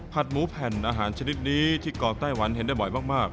หมูแผ่นอาหารชนิดนี้ที่เกาะไต้หวันเห็นได้บ่อยมาก